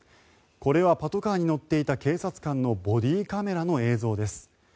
これはパトカーに乗っていた警察官のボディーカメラの映像です。